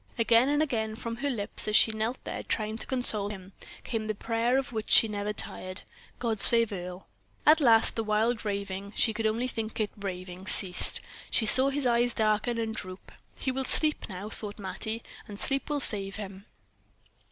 Again and again from her lips, as she knelt there trying to console him, came the prayer of which she never tired "God save Earle." At last the wild raving she could only think it raving ceased; she saw his eyes darken and droop. "He will sleep now," thought Mattie, "and sleep will save him."